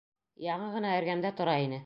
Яңы ғына эргәмдә тора ине...